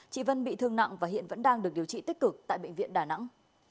chị vân bị thương nặng và hiện vẫn đang được điều trị tích cực tại bệnh viện đà nẵng